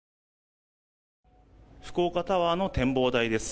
福岡タワーの展望台です。